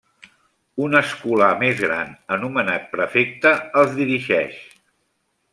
Un escolà més gran, anomenat prefecte, els dirigeix.